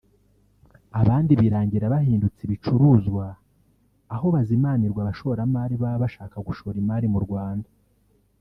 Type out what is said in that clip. abandi birangira bahindutse ibicuruzwa aho bazimanirwa abashoramari baba bashaka gushora imari mu Rwanda